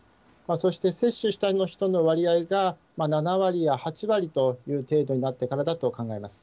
そして接種した人の割合が、７割や８割という程度になってからだと考えます。